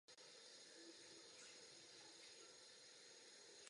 Není však měřítkem environmentální udržitelnosti, ani sociálního začlenění.